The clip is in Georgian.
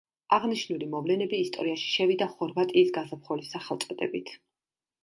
აღნიშნული მოვლენები ისტორიაში შევიდა ხორვატიის გაზაფხულის სახელწოდებით.